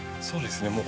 そうですね。